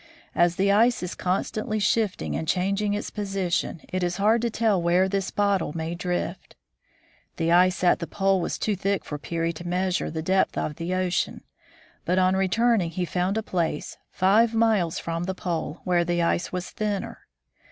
As the ice is constantly shifting and changing its position, it is hard to tell where this bottle may drift. The ice at the Pole was too thick for Peary to measure the depth of the ocean. But on returning he found a place, five miles from the Pole, where the ice was thinner.